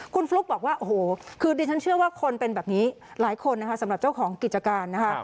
คุณฟลุ๊กบอกว่าโอ้โหคือดิฉันเชื่อว่าคนเป็นแบบนี้หลายคนนะคะสำหรับเจ้าของกิจการนะคะ